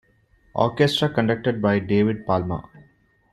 Orchestra conducted by David Palmer.